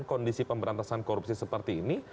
kondisi pemberantasan korupsi seperti ini